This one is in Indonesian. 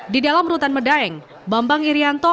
di dalam rutan medaeng bambang irianto